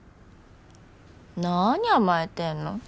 何甘えてるの？